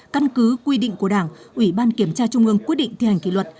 căn cứ quy định của đảng ủy ban kiểm tra trung ương quyết định thi hành kỷ luật